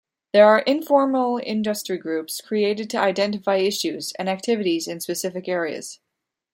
There are informal industry groups created to identify issues and activities in specific areas.